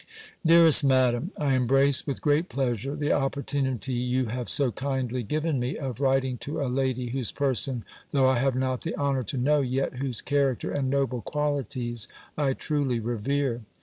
"DEAREST MADAM, "I embrace with great pleasure the opportunity you have so kindly given me, of writing to a lady whose person though I have not the honour to know, yet whose character, and noble qualities, I truly revere.